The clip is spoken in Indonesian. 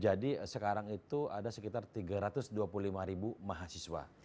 jadi sekarang itu ada sekitar tiga ratus dua puluh lima ribu mahasiswa